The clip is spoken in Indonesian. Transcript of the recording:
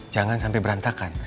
jangan sampai berantakan